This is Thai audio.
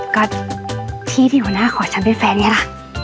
ก็พี่ที่หัวหน้าขอฉันเป็นแฟนไงล่ะ